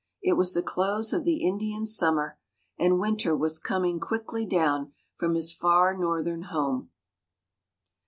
It was the close of the Indian Summer, and Winter was coming quickly down, from his far northern home.